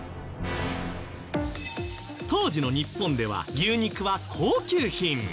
当時の日本では牛肉は高級品。